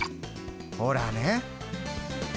ほらね！